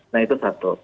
nah itu satu